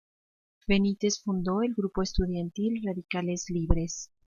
Benítez fundó el grupo estudiantil "Radicales Libres".